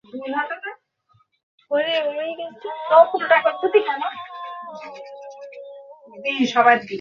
ঠিক এভাবেই রিচার্ড আমার বাবা-মায়ের সাথে কথা বলত।